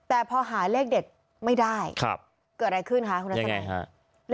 แต่พอหาเลขเด็ดไม่ได้ครับเกิดอะไรขึ้นคะคุณนัสนัยยังไงค่ะ